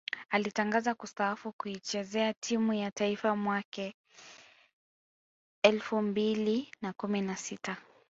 Alitangaza kustaafu kuichezea timu ya taifa mwaka elfu mbili na kumi na sita